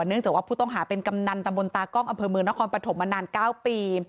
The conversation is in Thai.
เนื่องจากว่าผู้ต้องหาเป็นกำนันตำบลตากล้องอำเภอเมืองนครปฐมมานาน๙ปี